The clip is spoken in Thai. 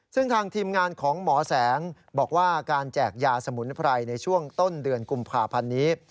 ซึ่งทางทีมงานของหมอแสงบอกว่าการแจกยาสมุนไพรในช่วงต้นเดือนกุมภาพันธ์นี้